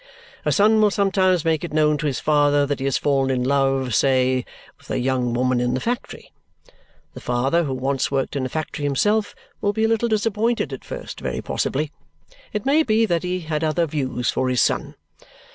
A son will sometimes make it known to his father that he has fallen in love, say, with a young woman in the factory. The father, who once worked in a factory himself, will be a little disappointed at first very possibly. It may be that he had other views for his son.